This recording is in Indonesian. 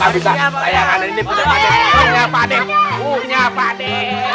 punya pade punya pade